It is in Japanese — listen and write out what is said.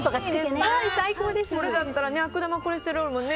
これだったら悪玉コレステロールもね。